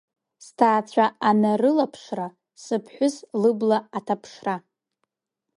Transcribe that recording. Сҭаацәа анарылаԥшра, сыԥҳәыс лыбла анҭаԥшра…